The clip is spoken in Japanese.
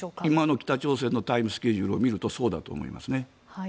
今の北朝鮮のタイムスケジュールを見るとそうだと思いますね。